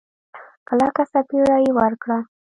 کلکه سپېړه يې ورکړه.